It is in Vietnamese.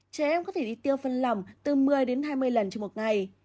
trẻ em có thể đi tiêu phân lỏng từ một mươi hai mươi lần trong một ngày